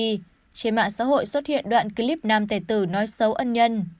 trên mạng xã hội xuất hiện đoạn clip nam tề tử nói xấu ân nhân